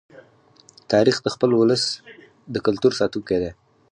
تاریخ د خپل ولس د کلتور ساتونکی دی.